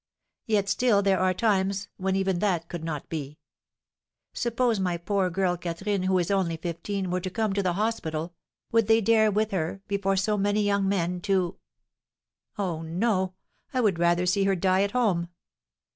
Yet still there are times when even that could not be. Suppose my poor girl Catherine, who is only fifteen, were to come to the hospital, would they dare with her, before so many young men, to Oh, no! I would rather see her die at home!"